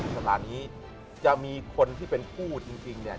สถานีจะมีคนที่เป็นผู้จริงเนี่ย